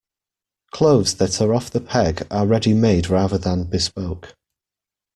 Clothes that are off-the-peg are ready-made rather than bespoke